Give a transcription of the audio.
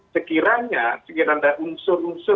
sekiranya sekian ada unsur unsur